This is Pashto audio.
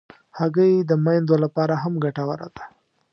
هګۍ د میندو لپاره هم ګټوره ده.